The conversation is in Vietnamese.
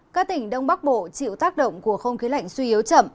các tỉnh đông bắc bộ chịu tác động của không khí lạnh suy yếu chậm